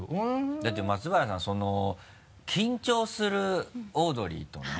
だって松原さん緊張するオードリーとね。